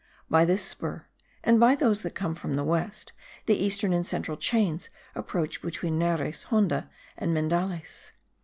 By this spur, and by those that come from the west, the eastern and central chains approach between Nares, Honda, and Mendales.